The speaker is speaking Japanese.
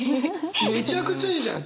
めちゃくちゃいいじゃん！